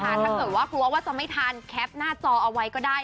ถ้าเกิดว่ากลัวว่าจะไม่ทันแคปหน้าจอเอาไว้ก็ได้